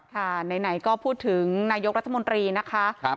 ไหนก็พูดถึงนายกรัฐมนตรีนะคะ